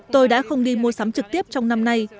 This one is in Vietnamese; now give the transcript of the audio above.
tôi đã không đi mua sắm trực tiếp trong năm nay